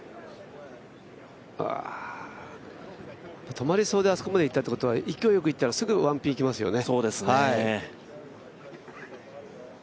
止まりそうであそこまでいったということは勢いよくいったらすぐワンピンいきますよね。